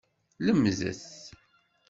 Lemdet!